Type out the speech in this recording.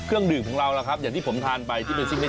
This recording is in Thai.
เครื่องดื่มของเราล่ะครับอย่างที่ผมทานไป